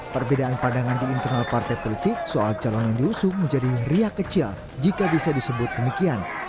perbedaan pandangan di internal partai politik soal calon yang diusung menjadi riak kecil jika bisa disebut demikian